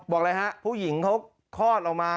บอกเลยคะผู้หญิงเขาคลอดออกมา